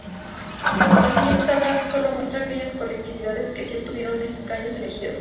La siguiente tabla solo muestra aquellas colectividades que si obtuvieron escaños elegidos.